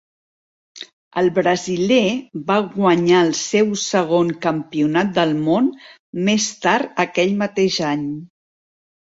El brasiler va guanyar el seu segon Campionat del Món més tard aquell mateix any.